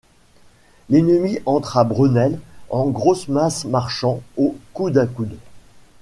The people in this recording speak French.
L'ennemi entre à Brenelle en grosses masses marchant au coude à coude.